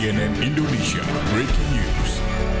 cnn indonesia breaking news